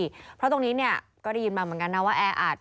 เพราะตรงนี้เนี่ยก็ได้ยินมาเหมือนกันนะว่าแออัด